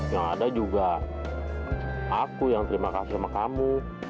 yang ada juga aku yang terima kasih sama kamu